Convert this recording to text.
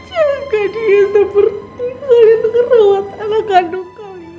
jaga dia seperti saya yang merawat anak kandung kalian